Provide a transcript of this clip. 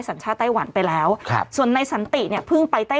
สัญชาติไต้หวันไปแล้วครับส่วนในสันติเนี่ยเพิ่งไปไต้